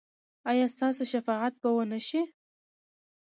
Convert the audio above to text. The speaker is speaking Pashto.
ایا ستاسو شفاعت به و نه شي؟